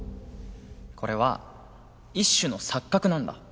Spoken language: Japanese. これは一種の錯覚なんだ。